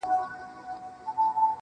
زما مور، دنيا هېره ده.